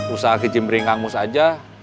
usaha kecimbering kang mus aja